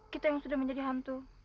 kita yang sudah menjadi hantu